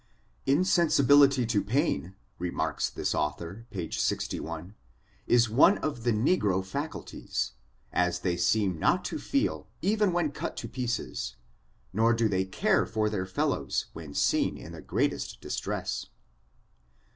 Insensibility to pain, remarks thid aiitliory p. Cl^is one of the negro fdiculties; as they se^m not td^ iieMed when even cut to pieces, nor do they care ito their fdllows when seen in the gi^eatest disti^ess.